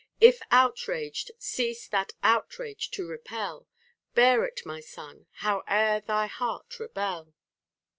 If outraged, cease that outrage to repel ; Bear it, my son ! howe'er thy heart rebel.